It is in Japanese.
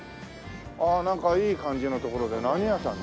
ああなんかいい感じの所で何屋さんだ？